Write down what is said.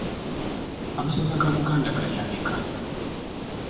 Amasaza ga Buganda gali ameka?